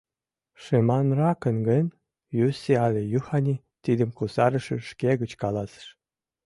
Шыманракын гын, Юсси але Юхани, — тидым кусарыше шке гыч каласыш.